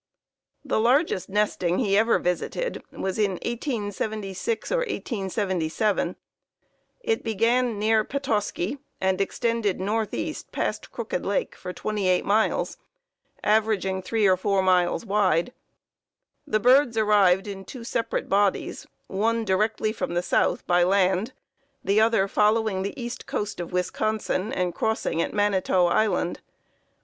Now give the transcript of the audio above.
"The largest nesting he ever visited was in 1876 or 1877. It began near Petoskey, and extended northeast past Crooked Lake for 28 miles, averaging 3 or 4 miles wide. The birds arrived in two separate bodies, one directly from the south by land, the other following the east coast of Wisconsin, and crossing at Manitou Island.